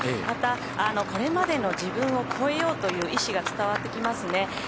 また、これまでの自分を超えようという意思が伝わってきますね。